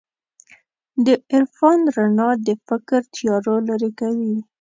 د عرفان رڼا د فکر تیارو لېرې کوي.